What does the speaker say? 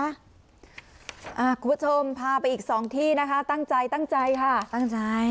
คุณผู้ชมพาไปอีกสองที่นะคะตั้งใจตั้งใจค่ะตั้งใจ